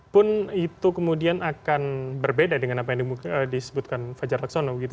pun itu kemudian akan berbeda dengan apa yang disebutkan fajar laksono gitu